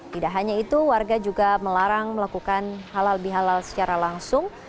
tidak hanya itu warga juga melarang melakukan halal bihalal secara langsung